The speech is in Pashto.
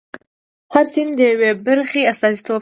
هر سند د یوې برخې استازیتوب کاوه.